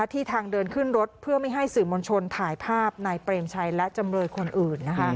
ที่ทางเดินขึ้นรถเพื่อไม่ให้สื่อมวลชนถ่ายภาพนายเปรมชัยและจำเลยคนอื่น